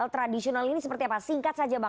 tradisional ini seperti apa singkat saja bang